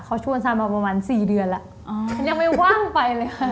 เขาช่วงสารมาประมาณ๔เดือนแล้วยังไม่ว่างไปเลยค่ะ